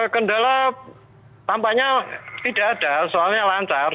kendala tampaknya tidak ada soalnya lancar